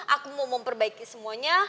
aku mau memperbaiki semuanya